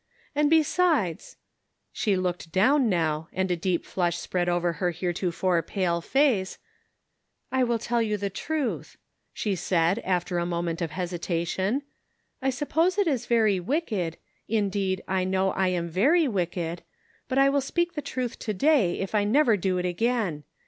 And besides "— she looked down, now, and a deep flush spread over her heretofore pale face — "I will tell the truth," she said, after a moment of hesitation :" I suppose it is very wicked — indeed, I know I am very wicked — but I will speak the truth to day, if I never do it again.